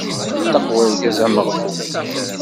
Yenṭeq urgaz ameɣbun.